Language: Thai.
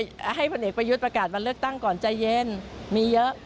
ให้พลเอกประยุทธ์ประกาศวันเลือกตั้งก่อนใจเย็นมีเยอะ